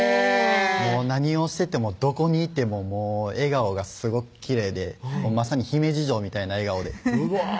もう何をしててもどこにいてももう笑顔がすごくきれいでまさに姫路城みたいな笑顔でうわ